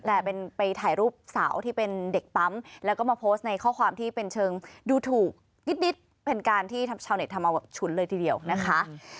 แต่เป็นไปถ่ายรูปสาวที่เป็นเด็กปั๊มแล้วก็มาโพสต์ในข้อความที่เป็นเชิงดูถูกนิดเป็นการที่ทำชาวเน็ตทำเอาแบบฉุนเลยทีเดียวนะคะ